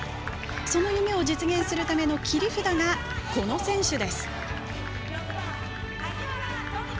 その夢を実現するための切り札が、この選手です。